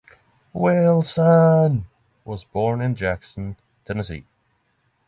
Wilson was born in Jackson, Tennessee.